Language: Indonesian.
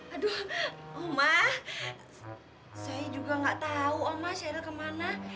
aduh oma saya juga enggak tahu oma sheryl ke mana